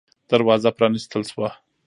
دروازه پًرانيستل شوه.